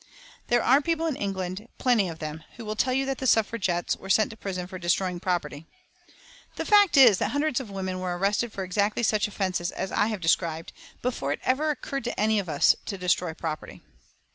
There are people in England, plenty of them, who will tell you that the Suffragettes were sent to prison for destroying property. The fact is that hundreds of women were arrested for exactly such offences as I have described before it ever occurred to any of us to destroy property.